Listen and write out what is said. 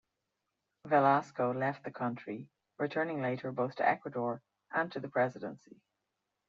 Velasco left the country, returning later both to Ecuador and to the presidency.